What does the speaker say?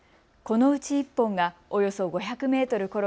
このうち１本がおよそ５００メートル